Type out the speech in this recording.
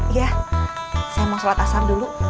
iya saya mau sholat asam dulu